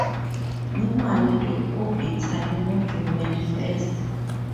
Normally the orbital module went first.